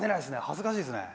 恥ずかしいっすね。